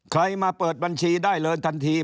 ใครมาเปิดบัญชีได้เลยทันที